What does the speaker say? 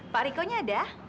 pak riko nya ada